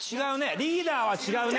リーダーは違うね。